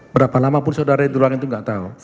berapa lama pun saudara di ruangan itu gak tahu